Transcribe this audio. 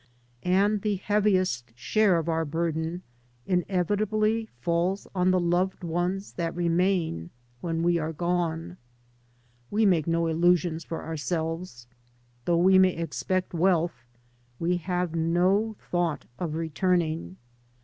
And INTRODUCTION the heaviest share of our burden inevitably f aUs on the loved ones that remain when we are gone* We make no illusions for ourselves. Though we may expect wealth, we have no thought of returning.